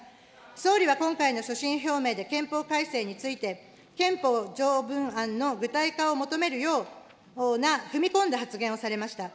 総理は今回の所信表明で憲法改正について、憲法条文案の具体化を求めるような踏み込んだ発言をされました。